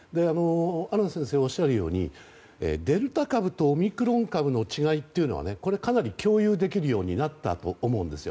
阿南先生がおっしゃるようにデルタ株とオミクロン株の違いは、かなり共有できるようになったと思うんです。